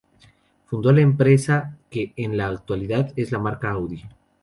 Fundó la empresa que en la actualidad es la marca Audi.